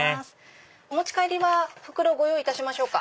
お持ち帰りは袋ご用意いたしましょうか？